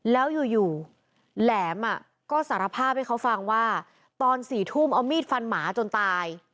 แล้วอยู่แหลมก็สารภาพให้เขาฟังว่าตอน๔ทุ่มเอามีดฟันหมาจนตาย